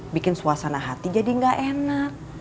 bikin suasana hati jadi gak enak